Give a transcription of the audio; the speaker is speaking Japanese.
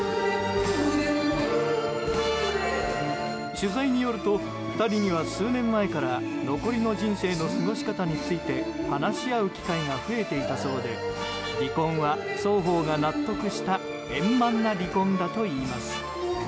取材によると２人は数年前から残りの人生の過ごし方について話し合う機会が増えていたそうで離婚は双方が納得した円満な離婚だといいます。